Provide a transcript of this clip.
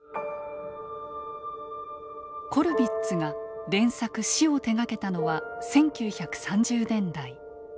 コルヴィッツが連作「死」を手がけたのは１９３０年代。